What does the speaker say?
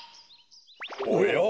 おや？